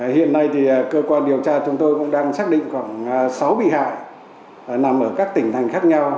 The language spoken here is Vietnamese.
hiện nay cơ quan điều tra chúng tôi cũng đang xác định khoảng sáu bị hại nằm ở các tỉnh thành khác nhau